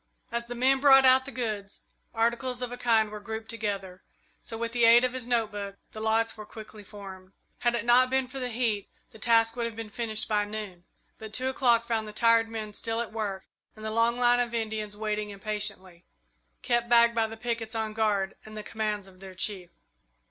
As the men brought out the goods, articles of a kind were grouped together, so, with the aid of his note book, the lots were quickly formed. Had it not been for the heat, the task would have been finished by noon; but two o'clock found the tired men still at work and the long line of Indians waiting impatiently, kept back by the pickets on guard and the commands of their chief.